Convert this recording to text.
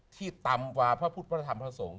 ที่ต่ำกว่าพระพุทธพระธรรมพระสงฆ